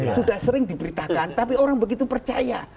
sudah sering diberitakan tapi orang begitu percaya